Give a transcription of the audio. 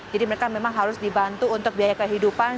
jadi mereka memang harus dibantu untuk biaya kehidupan